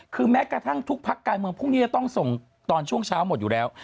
คือแม้กระทั่งทุกพักการเมืองพรุ่งนี้จะต้องส่งตอนช่วงเช้าหมดอยู่แล้ว